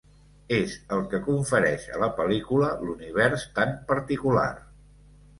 És el que confereix a la pel·lícula l'univers tan particular.